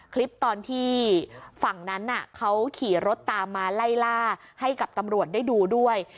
คลิปตอนที่ฝั่งนั้นเขาขี่รถตามมาไล่ล่าให้กับตำรวจได้ดูด้วย